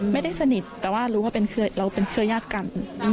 ไม่ได้สนิทแต่ว่ารู้ว่าเราเป็นเครือญาติกัน